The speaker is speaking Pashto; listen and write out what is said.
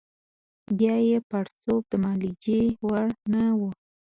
بیا یې پړسوب د معالجې وړ نه وو.